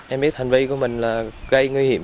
em biết hành vi của mình là gây nguy hiểm